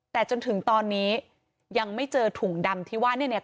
แต่จนถึงตอนนี้ยังไม่เจอถุงดำที่ว่าเนี่ยเนี่ย